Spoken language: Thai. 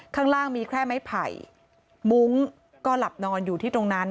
ข้างล่างมีแค่ไม้ไผ่มุ้งก็หลับนอนอยู่ที่ตรงนั้น